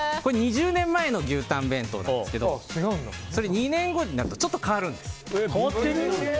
２０年前の牛たん弁当なんですけど２年後になるとちょっと変わるんです。